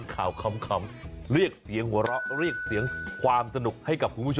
คำเรียกเสียงหัวเราะเรียกเสียงความสนุกให้กับคุณผู้ชม